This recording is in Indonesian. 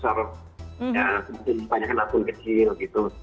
ya mungkin banyak akun kecil gitu